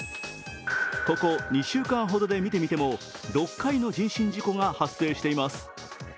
ここ２週間ほどで見てみても６回の人身事故が発生しています。